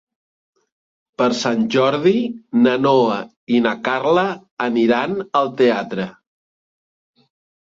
Per Sant Jordi na Noa i na Carla aniran al teatre.